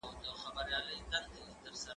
هغه څوک چي خواړه ورکوي مرسته کوي؟